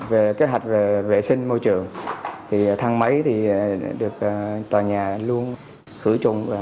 về kế hoạch vệ sinh môi trường tháng mấy thì được tòa nhà luôn khử trùng